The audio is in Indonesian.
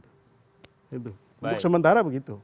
untuk sementara begitu